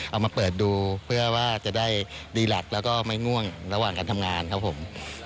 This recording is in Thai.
เอามาเปิดดูเพื่อว่าจะได้ดีหลักแล้วก็ไม่ง่วงระหว่างการทำงานครับผม